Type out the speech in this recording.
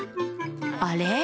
あれ？